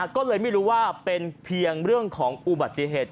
ก็เลยไม่รู้ว่าเป็นเพียงเรื่องของอุบัติเหตุ